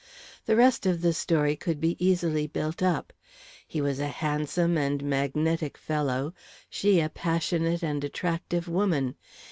The rest of the story could be easily built up. He was a handsome and magnetic fellow, she a passionate and attractive woman.